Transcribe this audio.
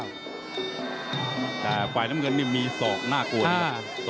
แต่ฝ่ายน้ำเงินนี่มีศอกน่ากลัวนะ